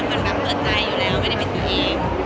ก็เปิดหัวแจยอยู่แล้วไม่ได้เป็นตัวเอง